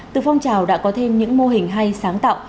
từ phong trào đã có thêm những mô hình hay sáng tạo